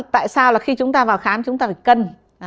tại sao là khi chúng ta vào khám chúng ta phải cần